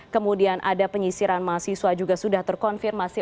kemudian ada penyisiran mahasiswa juga sudah terkonfirmasi